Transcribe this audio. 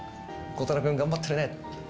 孝太郎君、頑張ってるね。